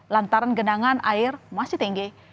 lantaran genangan air masih tinggi